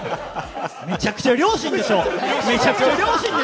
めちゃくちゃ良心でしょ！